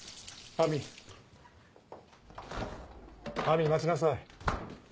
亜美待ちなさい。